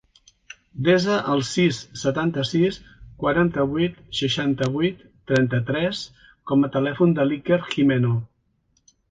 Desa el sis, setanta-sis, quaranta-vuit, seixanta-vuit, trenta-tres com a telèfon de l'Iker Gimeno.